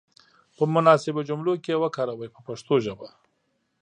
په مناسبو جملو کې یې وکاروئ په پښتو ژبه.